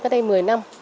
cách đây một mươi năm